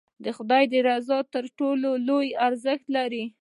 د خدای رضا تر ټولو لوړ ارزښت لري.